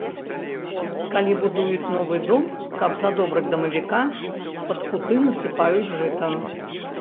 Калі будуюць новы дом, каб задобрыць дамавіка, пад куты насыпаюць жыта.